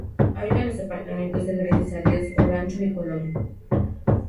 Habitan los departamentos de Gracias a Dios, Olancho y Colón.